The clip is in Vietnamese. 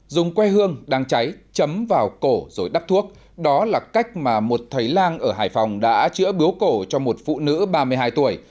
dùng quê hương đang cháy chấm vào cổ rồi đắp thuốc đó là cách mà một thầy lang ở hải phòng đã chữa biếu cổ cho một phụ nữ ba mươi hai tuổi